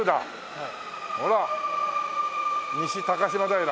はい。